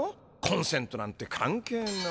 コンセントなんてかんけいな。